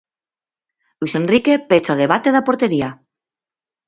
Luís Enrique pecha o debate da portería.